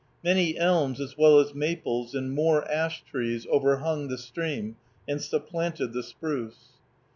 Many elms, as well as maples, and more ash trees, overhung the stream, and supplanted the spruce.